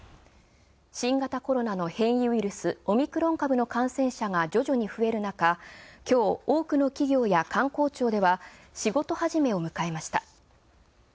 新型コロナの変異ウイルス、オミクロン株の感染者が徐々に増えるなか、今日、多くの企業や官公庁では、仕事始めを迎えました。